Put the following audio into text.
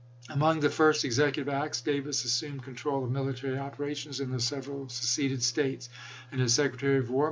Among the first executive acts, Davis assumed control of military operations in the several seceded States ; and his Secretary of War i86i.